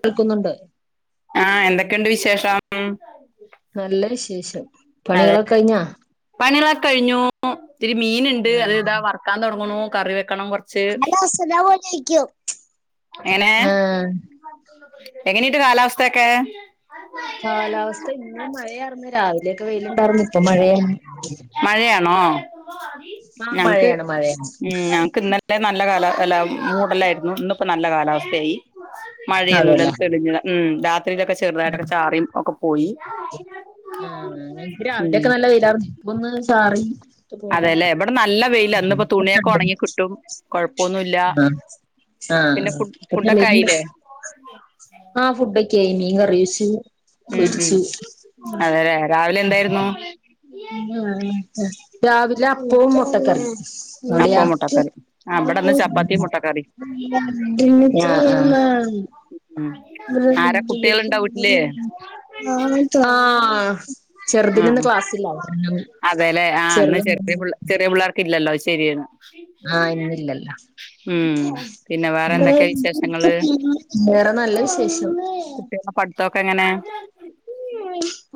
കേൾക്കുന്നുണ്ട് ആ എന്തൊക്കെയുണ്ട് വിശേഷം നല്ല വിശേഷം പണികളൊക്കെ അതെല്ലേ കഴിഞ്ഞാ പണികളൊക്കെ കഴിഞ്ഞു ഇിത്തിരി മീൻ ഉണ്ട് ആഹ് അത് ഇതാ വറക്കാൻ തുടങ്ങണു കറി വെ ഹലോ അസ്സലാമു അലൈക്കും എങ്ങനെ ആഹ് എങ്ങനെട്ട് കാലാവസ്ഥൊക്കെ കാലാവസ്ഥ ഇന്ന് മഴയായിരുന്നു രാവിലെയൊക്കെ വെയിലുണ്ടാരിന്ന് ഇപ്പ മഴയ ആ ഞങ്ങക്ക് മഴയാണ് ഉം ഞങ്ങക്ക് ഇന്ന നല്ല കാലല്ല മൂടല്ലായിരുന്നു ഇന്നിപ്പോ നല്ല കാലാവസ്ഥയായി മഴയൊന്നുമല്ല അതെല്ലേ തെളിഞ്ഞ ഉം രാത്രിയിലൊക്കെ ചെറുതായിട്ടൊക്ക ആഹ് ചാറിയും ഒക്ക പോയി ആഹ് ഞങ്ങക്ക് ഉം രാവിലെയൊക്കെ നല്ല വെയിലാർന്നു ഇപ്പൊ ഒന്ന് ചാറി അതേല്ലേ ബടെ നല്ല വെയില അന്ന് ഇപ്പ ഇപ്പൊ തുണിയൊക്കെ ഉണങ്ങി തെളിയുണ്ട്. കിട്ടും കൊഴപ്പൊന്നുമല്ല ആഹ് പിന്നെ ആഹ് ഫു ഫുഡൊക്കെ ആയില്ലേ ആ ഫുഡ് ക്കെ ആയി മീൻകറി ഉം ഉം കഴിച്ചു അതെല്ലേ രാവിലെ എന്തായിരുന്നു ആ രാവിലെ അപ്പവും മുട്ടക്കറിം എവിടെയാ അപ്പോം മുട്ടക്കറി ആ ഇവിടെന്ന് ചപ്പാത്തിയും മുട്ടക്കറി ആ ആ ഉം ഉം ആ ആ അതേല്ലേ ആ അന്ന് ചെറിയ ചെറിയ പിള്ളേർക്ക് ഇല്ലല്ലോ ശരിയാണ് ആഹ് ഇന്നില്ലല്ല ഉം പിന്നെ വേറെ അ എന്തൊക്കെയ വിശേഷങ്ങള് വേറെ നല്ല വിശേഷം കുട്ടികളുടെ പഠിത്തൊക്കെ എങ്ങനെ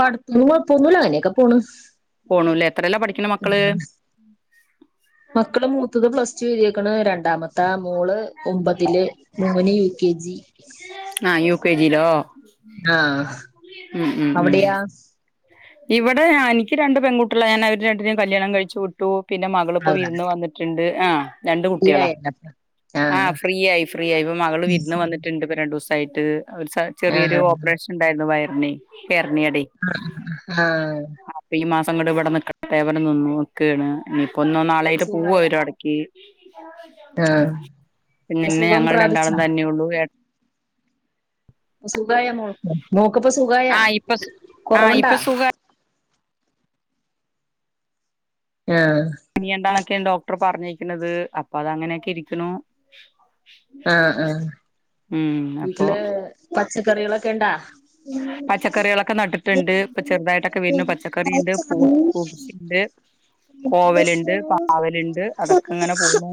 അട്ത്ത് കൊഴപ്പൊന്നുല്ല അങ്ങനെക്കെ പോണ് പോണൂല്ലേ എത്രയല്ലാ പഠിക്കണ മക്കള് മക്കള് മൂത്തത് പ്ലസ് ടു എഴുതിക്കാണ് രണ്ടാമ പത്ത മൂള് ഒമ്പതില് മോന്‌ യു കെ ജി ആ യു കെ ജിയിലോ ആഹ ഉം ഉം ഉം ഇവിടെ എനിക്ക് രണ്ടണ്ട് പെൺകുട്ടികുള്ള ഞാൻ അവര് രണ്ടിനും കല്യാണം കഴിച്ചു വിട്ടു പിന്നെ മകളിപ്പോ അതാ വിരുന്ന് വന്നിട്ടുണ്ട് ആ രണ്ട് ഫ്രീ കുട്ട്യാള ആയല്ലോ ആ ആഹ് ഫ്രീ ആയി ഫ്രീ ആയി ഇപ്പ മകൾ വിരുന്ന് വന്നിട്ടുണ്ട് ഇ രണ്ടുസ ആയിട്ട് ചെറിയൊരു ആഹ് ഓപ്പറേഷൻ ഉണ്ടായിരുന്നു വയറിന് അര്ന്യ ടെ ആഹ ഈ മാസം കണ്ട് ഇവിടെ നിക്കട്ടെടെ നിന്നു നക്കുകയാണ് ഇനിയിപ്പൊ ഒന്നോ നാളായിട്ട് പോവ സുഖായ ഒരുര ഇടയ്ക്ക് ആഹ് ഇപ്പൊ പിന്നന്നെ സുഖം ഞങ്ങൾ രണ്ടാളും പ്രാപിച്ചാ തന്നെള്ളൂ സുഖായ മോൾക്ക് മോക്ക്പ്പം സുഖായ ആഹ് ഇപ്പൊ സു ആഹ് കൊറവണ്ടാ ഇപ്പൊ സുഖാ ആഹ പനണ്ടാന്നൊക്കെ ഡോക്ടർ പറഞ്ഞിരിക്കുന്നത് അപ്പൊ അത് അങ്ങനെയൊക്കെ ഇരിക്കുന്നു ആഹ ആഹ അപ്പൊ വീട്ടില് പച്ചക്കറികളൊക്കെ ഇണ്ടാ പച്ചക്കറികളൊക്കെ നട്ടിട്ടുണ്ട് ഇപ്പൊ ചെറുതായിട്ടൊക്കെ വരുന്നു പച്ചക്കറി ഉണ്ട് പൂശുണ്ട് കോവലുണ്ട് പാവലുണ്ട് അതൊക്കെ ഇങ്ങനെ പോണു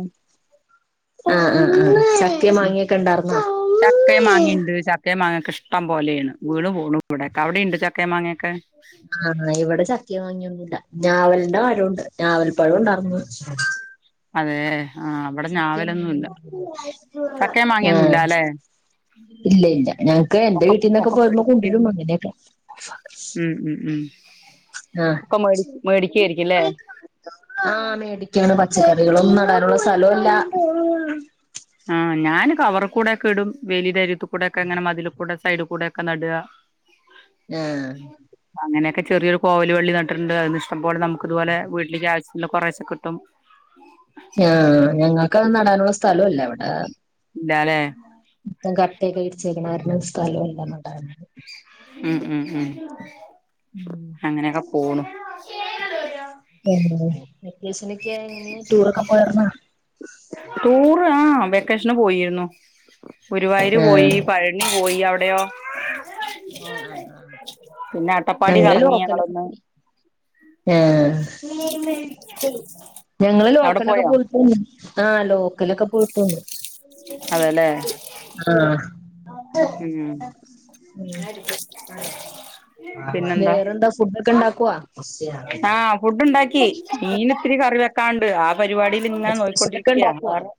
ആഹ ആഹ് ആ ചക്ക മാങ്ങിയൊക്കെ ഉണ്ടായിർന്നോ ചക്ക മാങ്ങിണ്ട് ചക്കിംമാങ്ങിംഒക്കെ ഇഷ് ഇഷ്ടം പോലെയണ് വീണും പോക ഇവിടെക്കെ അവിടെയ ഉണ്ട് ചക്കേ മാങ്ങൊക്കെ ആഹ ഇവിടെ ചക്കയ മാങ്ങന്നുമില്ല ഞാവലിന്റെ മരണ്ട് ഞാവൽ പഴം ഉണ്ടാർന്നു കൊർച്ച് അതെ ആഹ അവിടെ ഞാവലൊന്നുംല്ല മാങ്ങയൊന്നും ഇല്ല ചക്കയ ആഹ് മാങ്ങിയൊന്നുംല്ല ല്ലെ ഇല്ല ഇല്ല ഞങ്ങക്ക് എന്റെ പ വീട്ടീന്നൊക്കെ പോരുമ്പോ കൊണ്ടരും അങ്ങനെയൊക്കെ ഉം ഉ ഉ ആഹ മേടിക്കായിരിക്കുംല്ലേ ആ മേടിക്കാണ് പച്ച തൈകളൊന്നും നടാനുള്ള സ്ഥലുംല്ല ആ ഞാൻ കവർ കൂടെ ഒക്കെ ഇ ടും വേലിയതരിത്തി കൂടെ ഒക്കെ അങ്ങനെ മതില കൂടെ സൈഡ് കൂടെക്കെ നട ആഹ അങ്ങനെയൊക്കെ ചെറിയരു കോല വള്ളിന്നട്ടുണ്ട് അത് ഇഷ്ട പോലെ നമുക്ക്തുപോലെ വീട്ടിലെ ക്ക് ആവശ്യമുള്ള കുറേശ കിട്ടും ഉ ആ് ഞങ്ങൾക്ക്ത് നടാനുള്ള സ്ഥലല്ലേ ഇവിടെ ഇല്ലാ ലെ ഇപ്പം കട്ടെക്കെ വിര്ച് നേര്ന്ന സ്ഥലമല്ലാന്ന പറയുന്നത് ഉം ഉംഉം ഉം അങ്ങനെയൊക്കെ പോണു വെക്കെശനൊക്കെ എങ്ങനെ ടൂറൊക്കെ പോയിരന്നാ ടൂറ് ആഹ് വെക്കേഷന് പോയിരുന്നു ഗുരുവായൂര് ആഹ് പോയി. പഴനി പോയി അവിടെയോ ആഹ് ആഹ് ആഹ് പിന്നെ അട്ടപ്പാടി ഞങ്ങള് കറങ്ങി ഞങ്ങളൊന്ന് ലോക്കലൊക്കെ ആഹ് ഞങ്ങള് അവിടെ ലോക്കലൊക്കെ പോയോ പോയിത്തന്ന ആ ലോക്കലൊക്കെ പോയിട്ട് വന്ന് അതെല്ലേ ആഹ് ഉം പിന്നെന്താ വേറെന്താ ഫുഡൊക്കെ ഇണ്ടാക്കൊ ആഹ് ഫുഡ് ഇണ്ടാക്കി മീൻ ഇത്തിരി കറി വെക്കാണ്ട് പരുപാടിൽ ഇങ്ങനെ സ്പെഷ്യലൊക്കെ നോയിക്കൊണ്ടിരിക്കയാ ഉണ്ടാക്കുവോ വേറെ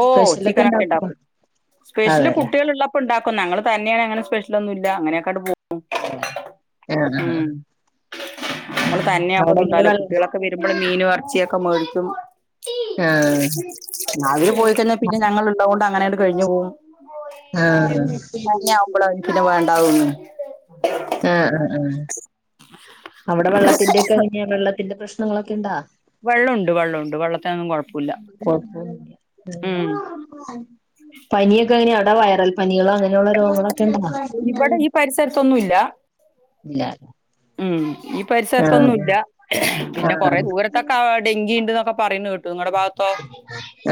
ഓ സ്പെഷ്യലൊക്കെ ചിക്കനൊക്കെ ഉണ്ടാക്കുവോ ഇണ്ടാക്കും സ്പെഷ്യല് അതെല്ലേ കുട്ടികളുള്ളപ്പോ ഉണ്ടാക്കും ങ്ങൾ തന്നെയാ അങ്ങനെ സ്പെഷ്യൊന്നും ഇല്ല അങ്ങനെക്ക പോ ആഹ് ആഹ് നമ്മള് ഉം തന്നെയ അവിടെ ആകുമ്പന്നും എങ്ങനെ ണ്ടാവില്ലോ വെള്ള കുട്ടികളൊക്കെ വരുമ്പോൾ മീനും എറച്ചിക്കെ മേടിക്കും ആഹ് ആഹ് അവര് പോയിക്കഴിഞ്ഞാൽ പിന്നെ ഞങ്ങൾണ്ടകൊണ്ട് അങ്ങനെയങ്ങ് കഴിഞ്ഞു പോകും ആഹ് ആഹ് [unintelligible] വേണ്ടാ തൊന്ന ആ ആ ആ അവടെ വെള്ളത്തിന്റെ ഒക്കെ വെള്ളത്തിന്റെ പ്രശ്നങ്ങളൊക്കെ ഇണ്ടാ വെള്ളമുണ്ട് വെള്ളമുണ്ട് വെള്ളത്തിനൊന്നും കുഴപ്പമില്ല കൊയപ്പൊന്നുല്ല ഉം പനിയൊക്കെ അങ്ങനെയ അവട വയറൽ പനികളോ അങ്ങനെയുള്ള രോഗങ്ങളൊക്കെ ഉണ്ടോ ഇവിടെ ഈ പരിസരത്തൊന്നുമില്ല ഇല്ല ഉം ഈ ആഹ് പരിസരത്തൊന്നുംല്ല പിന്നെ കൊറെ ആഹ് ദൂരത്തൊക്കെ ഡെങ്കി ഉണ്ട്ന്നൊക്കെ പറയുന്നു കേട്ടു നിങ്ങളുടെ ഭാഗത്തോ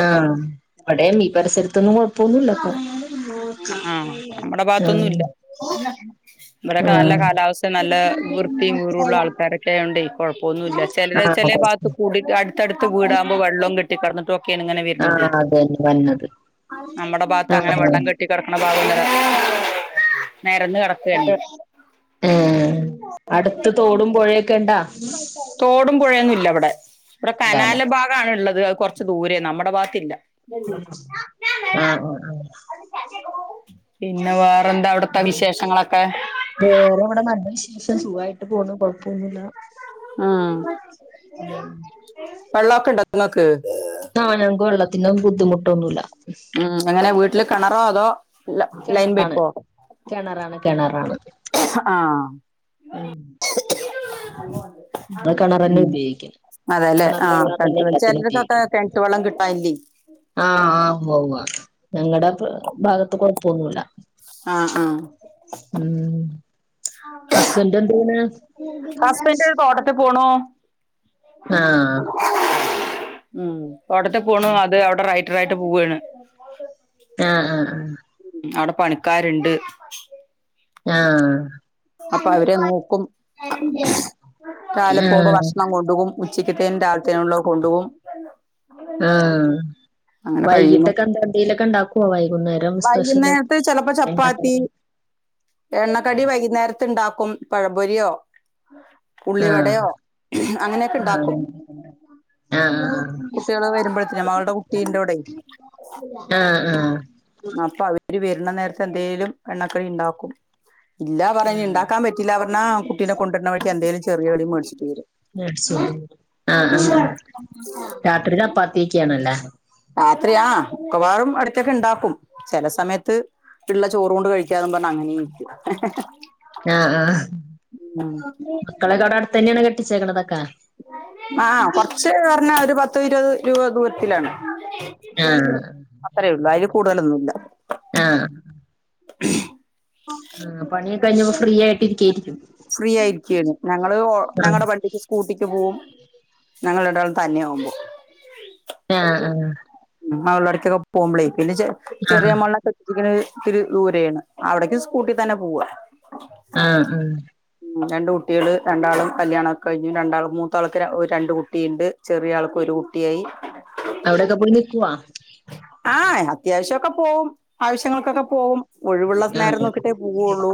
ആഹ് അവിടെ ഈ പരിസരത്തൊന്നും കൊഴപ്പൊന്നുംല്ലപ്പം ആഹ് [unintelligible] ആഹ് ഇവടെക്കെ നല്ല ആഹ് കാലാവസ്ഥ നല്ല വൃത്തിയും കൂറുള്ള ആൾക്കാരൊക്കായോണ്ടേ കൊഴപ്പമൊന്നുമല്ല ചെലര് ചെ ചേലെ ആഹ് ഭാത്ത് കൂടി അടുത്തടുത്ത് വീടാക്പോ വെള്ളം കെട്ടി കടന്നിട്ടും ക്കെണ്യെ ഇങ്ങനെ വരുന്നത് ആഹ് അതന്നെ വന്നത് നമ്മുടെ ഭാഗത്ത് അങ്ങനെ ആഹ് വെള്ളം കെ കടക്കണ [unintelligible] നേരൊന്ന് പുഴ കിടക്കാണയ് ഏഹ് അടുത്ത് തോടും പുഴയൊക്കെ ഇണ്ടാ തോടും പുഴയൊന്നുല്ല ഇവിടെ ഇവിടെ ഇല്ലാല്ലേ കനാല ഭാഗാണു ള്ളത് അത് കൊറ ദൂരയാ നമ്മടെ ഭാഗത്തില്ല [inaudible] ആഹ് ആഹ് പിന്നെ വേറെന്താ അവിടത്തെ ആഹ് വിശേഷങ്ങളൊക്കെ വേറെ ഇവിടെ നല്ല വിശേഷം സുഖായിട്ട് പോണ് കൊഴപ്പൊന്നുല്ല ആഹ് വെള്ളൊക്കെ ഇണ്ടോ നിങ്ങക്ക് ത്താനം ഗൊള്ളത്തിന്റെ ബുദ്ധിമുട്ടൊന്നുല്ല ഉം എങ്ങനെ വീട്ടില് കെണറോ അതോ ലൈൻ കെണറാണ് പൈപ്പോ കെണറാണ് കെണറാണ് ആഹ് ബ കെണറന്നേ ഉം ഉപയോയ്ക്ക്ണ് അതെല്ലെ ആഹ് തട്ടു [unintelligible] ചിലർക്കൊക്കെ കെൻറ്റ് വെള്ളം കിട്ടായില്ലേയ് ആഹ് ആഹ് [unintelligible] ഞങ്ങളടെ ഭാഗത്ത് കൊഴപ്പൊന്നുല്ല ആഹ് ആഹ് ഉം ഹസ്ബന്റ് എന്തെയ്യ്ണ് ഹസ്ബൻഡ് തോട്ടത്തിൽ പോണു ആഹ് ഉം പ്പാടത്ത് പോണു അത് അവിടെ റൈറ്ററായിട്ട് പോവ്വേണ് ആഹ് ആഹ് ആഹ് അവ്ടെ പണിക്കാര്ണ്ട് ആഹ അപ്പം അവരെ നോക്കും രാവിലെ പോകുമ്പോ ആഹ് ഭക്ഷണം കൊണ്ടുപോകും ഉച്ചക്ക്ത്തേും രാവിലത്തേനും ഉള്ളവർ കൊണ്ടു പോകും ആഹ കഴിയുന്നു വൈകിട്ടൊക്കെ എന്താ എന്തേലൊക്കെ ഉണ്ടാക്കുവോ വൈകുന്നേരം സ്പെഷ്യല് വൈകുന്നേരത്ത് ചെിലപ്പോ ചപ്പാത്തി എണ്ണക്കടികൾ എണ്ണക്കടി വൈകുന്നേരത്ത ഉണ്ടാക്കും പഴപൊരിയോ ആഹ് ഉള്ളിവടയോ അങ്ങനെയൊക്കെണ്ടാക്കും ആഹ് ആഹ് കുട്ടികളെ വരുമ്പോഴത്തനും മകളുടെ കുട്ടീന്റെ കൂടെ ആഹ് ആഹ് അപ്പൊ അവര് വരുന്ന നേരത്തെ എന്തെലിലും എണ്ണക്കടി ഉണ്ടാക്കും ഇല്ല പറഞ്ഞഞ് ആഹ് ഉണ്ടാക്കൻ പറ്റില്ല പറഞ്ഞാ കുട്ടിനെ കൊണ്ടിരുന്നണഴി എന്തേലും ചെറിയ കടി മേടിച്ചിട്ട് വരും ആ ആ ഉം രാത്രി ചപ്പാത്തിയൊക്കെ ആണല്ലേ രാത്രിയാ ആ മിക്കവാറും ഇടക്കൊക്കെ ഉണ്ടാക്കും ചില സമയത്ത് പിള്ള ചോറ് കൊണ്ട് കഴിക്കാൻ പറഞ്ഞാൽ അങ്ങനെ ഇരിക്കും ആഹ ആ മക്കളെയൊക്കെ അടുത്ത് തന്നെയാണോ കെട്ടിച്ചതൊക്കെ ആ് കൊറച്ച് പറഞ്ഞാ ഒരു പത്തുഇരുപത് രൂപ ദൂരത്തിലാണ് ആഹ് അത്രേ ഉള്ളൂ അതിൽ കൂടുതലൊന്നുല്ല ആഹ [inaudible] ആ പണിയ കെ കഴിഞ്ഞപ്പോ ഫ്രീ ആയിട്ട് ഇരിക്കായിരിക്കും ഫ്രീ ആയിരിക്കുവാണ് ഞങ്ങള് ഞങ്ങളുടെ വണ്ടിക്ക് സ്കൂട്ടിക്ക് പോകവും ഞങ്ങൾ രണ്ടാളും തനിയെ ആവുമ്പോൾ ആഹ് ആഹ് മകളോട്ക്കൊക്കെ പോകുമ്പളെ പിന്നെ ചെറിയ ആഹ് ആഹ് മോളെ കെട്ടിരിക്കണത് ഇത്തിരി ദൂരെയാണ് അവിടേക്കും സ്കൂട്ടി തന്നെ പോവാ ആഹ ഹാ ഉ രണ്ട് കുട്ടികൾ രണ്ടാളും കല്യാണംഒക്കെ കഴിഞ്ഞു രണ്ടാളും മൂത്ത ആൾക്ക് രണ്ട് കുട്ടിയുണ്ട് ചെറിയ ആൾക്ക് ഒരു കുട്ടിയായി അവിടെയൊക്കെ പോയി നിക്കുവാ ആ അത്യാവശ്യൊക്കെ പോവും ആവശ്യങ്ങൾക്കൊക്കെ പോകും ഒഴിവുള്ള നേരം ആഹ് നോക്കിട്ടേ പോവുള്ളൂ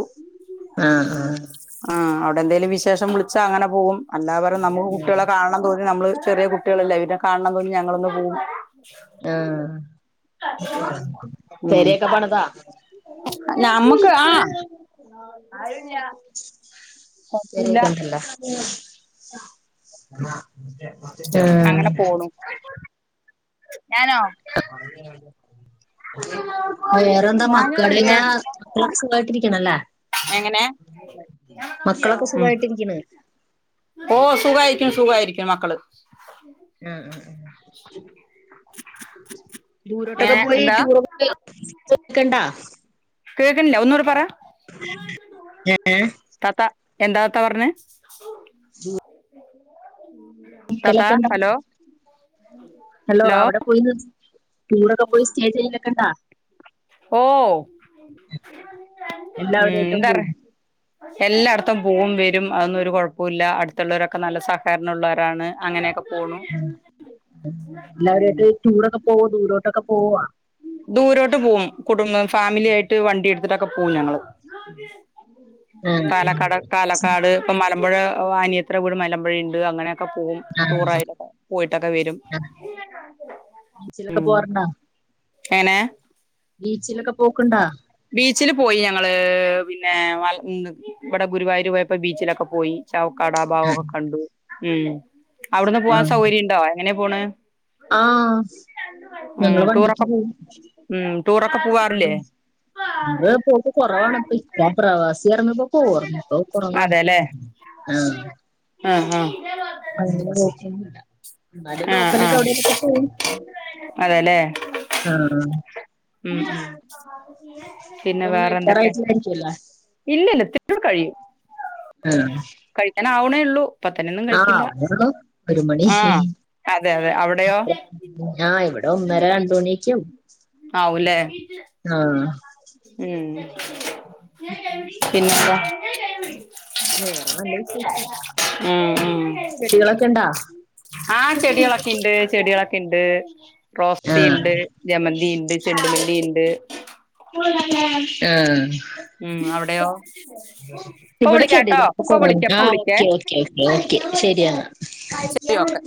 ആഹ് ആഹ് ആ അവിടെ എന്തെങ്കലും വിശേഷം വിളിച്ചാ അങ്ങനെ പോകും അല്ലാ പറരം നമ്മുക്ക് ആഹ് കുട്ടികളെ കാണണം തോന്നി നമ്മള് ചെറിയ കുട്ടികളല്ല ഇനെ കാണണം തോന്നി ഞങ്ങളൊന്ന് പോകവും പെരേക്കെ പണിത നമ്മുക്ക് ആ വറ [unintelligible] തുണ്ടല്ല [unintelligible] അങ്ങനെ ഏഹ് പോണു ഞാനോ അെ അ [unintelligible] വേറെന്താ ഞാന് പിന്നെ മക്കളൊക്കെ മക്കളെക്കെ സുഖയിട്ടിരികനെല്ലേ എങ്ങനെ മക്കളൊക്കെ ഉം സുഖായിട്ടിരിക്കണ്. ഓ സുഖായിരിക്കും സുഖായിരിക്കും മക്കള്. ആഹ [inaudible] ദൂരോട്ടൊക്കെ ഏഹ് പോയി എന്താ ടൂറെദിക്കണ്ട [unintelligible] കേക്കണില്ല ഒന്നൂടെ പറ ഏഹ് താത്ത. എന്താത്താ പറഞ്ഞെ? താത്ത നിക്കലൊക്കെ ഉണ്ടോ ഹലോ? ഹലോ അവിടെ പോയി. ടൂറൊക്കെ പോയി സ്റ്റേ ചെയ്യലൊക്കേണ്ടാ? ഓ ഉം എല്ലാവരുമായിട്ടും എന്താ പറ പോകും എല്ലായിടത്തും പോകും വരും. അതൊന്നരു കുഴപ്പ പോല്ല അടുത്തുള്ളവരൊക്കെ നല്ല സഹകരണം മുള്ളവരാണ്. അങ്ങനെയൊക്കെ പോണു ഉം എല്ലാവരായിട്ട് ടൂരൊക്കെ പോവോ ദൂരോട്ടൊക്കെ പോവോ? ദൂരോട്ട് പോകും കുടും ഫാമിലി ആയിട്ട് വണ്ടി എടുത്തിട്ടൊക്കെ പോവും ഞങ്ങള്. ആഹ് പാലക്കാട് ആഹ് പാലക്കാട് ഇപ്പൊ മല മലമ്പുഴ അനിയതീടെ വീട് മലമ്പഴയുണ്ട്. അങ്ങനെ പോവും ടൂറായിട്ട് ക്കെ പോയിട്ടൊക്കെ വരും. ആഹ് ബീച്ചിലൊക്കെ പോവാറുണ്ടോ? എനെ ബീച്ചിലൊക്കെ പോക്കുണ്ടാ ബീച്ചിൽ പോയി ഞങ്ങള് പിന്നെ വ ഇവിടെ ഗുരുവായൂർ പോയ പ്പ ബീച്ചിലൊക്കെ പോയി. ചവക്കാട ഭാവൊക്കെ കണ്ടു. ഉ അവിടുന്ന് പോകൻ ആഹ് സൗകര്യം ഉണ്ടോ എങ്ങനെയ പോണ്. ആഹ് ഉ ടൂറൊക്കെ ഉം ടൂറൊക്കെ പോവാറില്ലേ ടൂര് പോക്ക് കൊറവാണ് ഇപ്പ ഇക്ക പ്രവാസി ആർന്നപ്പോ? പ്പോ കുറവാണ്. അതെല്ലേ ആ ആഹ് ആഹ് [unintelligible] എന്നാലും ആഹ് ലോക്കലൊക്കെ ആഹ് എവിടെലൊക്കെ പോവും അതെല്ലേ ആ ഉം ഉ പിന്നെ ഫുഡൊന്നും വേറെന്തൊക്കെ കഴിക്കാറായിട്ടില്ലായിരിക്കുവല്ലോ ഇല്ലല്ല കഴിയും കഴിക്കാനാ വണേ ഉള്ളൂ. ഇപ്പ തന്നെയൊന്നും ആ കഴിക്കില്ല ആവണുള്ളൂ ഒരു മണി ആഹ് അതെ അതെ അവിടെയോ ആ ഇവിടെ ഒന്നര രണ്ടണിയൊക്കെ ആവും. ആവു ല്ലേ ഉം പിന്നെന്താ [inaudible] [unintelligible] വേറെ നല്ല വിശേഷം ഉം ഉം ചെടികളൊക്കെ ഇണ്ടാ ആ ചെടികളൊക്കെ ഇണ്ട്. ചെടികളൊക്കെ ഇണ്ട്. റോസ്റ്റി ഉണ്ട് ജമൻ [unintelligible] ആ ഉം അവിടെയോ ഇപ്പൊ ഇവിടെ വിളിക്കാട്ടോ ചെടികളൊ ഇപ്പൊ കൊറവ വിളിക്കാം ആ ഇപ്പൊ വിളിക്കേ ഓക്കെ ഓക്കെ ക്കെ ക്കെ ശരിയന്ന. ശരി ഓക്കെ